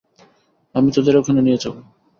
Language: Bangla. আমি তোদের ওখানে নিয়ে যাবো।